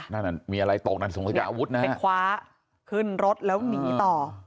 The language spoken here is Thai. นั่นมีอะไรตกนั่นสงสัยอาวุธนะไปคว้าขึ้นรถแล้วหนีต่อ